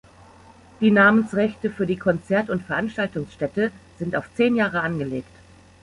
Die Namensrechte für die Konzert- und Veranstaltungsstätte sind auf zehn Jahre angelegt.